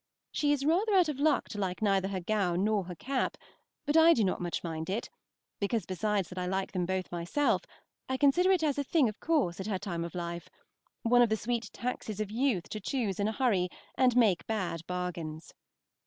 She is rather out of luck to like neither her gown nor her cap, but I do not much mind it, because besides that I like them both myself, I consider it as a thing of course at her time of life, one of the sweet taxes of youth to choose in a hurry and make bad bargains.